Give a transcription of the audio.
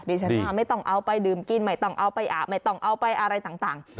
ฉันว่าไม่ต้องเอาไปดื่มกินไม่ต้องเอาไปอาบไม่ต้องเอาไปอะไรต่าง